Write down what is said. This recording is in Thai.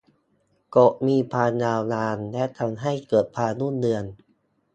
กฏมีความยาวนานและทำให้เกิดความรุ่งเรือง